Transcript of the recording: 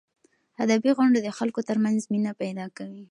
ادبي غونډې د خلکو ترمنځ مینه پیدا کوي.